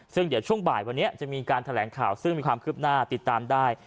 ซึ่งเดี๋ยวช่วงบ่ายวันนี้จะมีการแถลงข่าวซึ่งมีความคืบหน้าติดตามได้